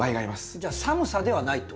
じゃあ寒さではないってことですか？